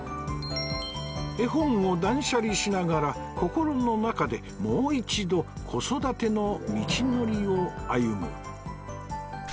絵本を断捨離しながら心の中でもう一度子育ての道のりを歩む